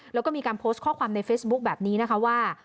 แล้วก็มีการโพสต์ข้อความในเฟซบุ๊คแบบนี้นะคะว่า